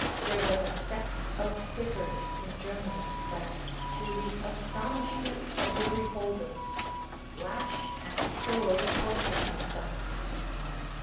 there was a sect of whippers in Germany, that, to the astonishment of the beholders, lashed, and cruelly tortured themselves.